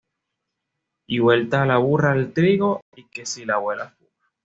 Y vuelta la burra al trigo y que si la abuela fuma